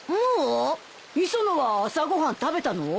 磯野は朝ご飯食べたの？